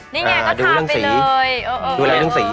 อ๋อรวดลายนี่ไงก็ทาไปเลยดูอะไรตั้งสี